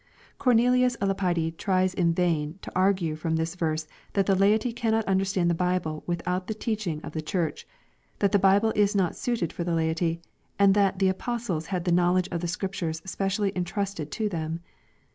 Cornelius ^ Lapide tries in vain to argue from this verse that the laity cannot understand the Bible without the teaching of the Church, that the Bible is not suited for the laity, and that the apostles had the knowledge of the Scriptures specially intrusted to them.